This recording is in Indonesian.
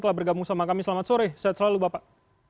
telah bergabung sama kami selamat sore sehat selalu bapak